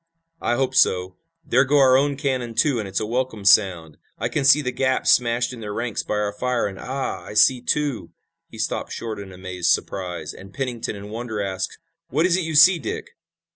"I hope so. There go our own cannon, too, and it's a welcome sound! I can see the gaps smashed in their ranks by our fire, and ah, I see, too " He stopped short in amazed surprise, and Pennington in wonder asked: "What is it you see, Dick?"